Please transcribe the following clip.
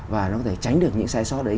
và nó có thể tránh được những sai sót đấy